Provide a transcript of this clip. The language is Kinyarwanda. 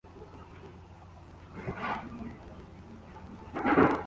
Koga akora amabere